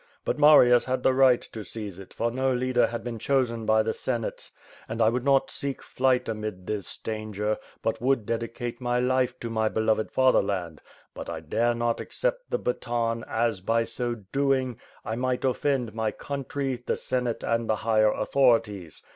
But Marius had the right to seize it, for no leader had been chosen by the Senate. ... And 1 would not seek flight amid this danger, but would dedicate my life to my beloved fatherland; but I dare not accept the baton, as, by so doing, T might offend my country, the Senate and the higher authorities.